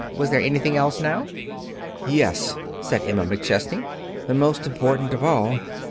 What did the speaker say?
Was there anything else, now?" "Yes," said Emma McChesney. "The most important of all.